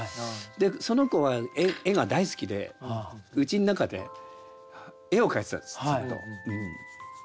その子は絵が大好きでうちの中で絵を描いてたんですずっと。